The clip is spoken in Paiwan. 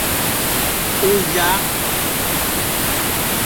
ui lja!